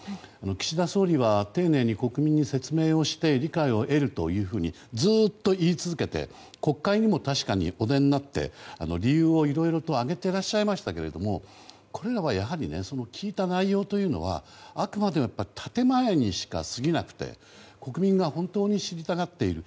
岸田総理は丁寧に国民に説明をして理解を得るとずっと言い続けて国会にも確かにお出になって理由を挙げていらっしゃいましたけどこれらの聞いた内容というのはあくまで建前にしか過ぎなくて国民が本当に知りたがっている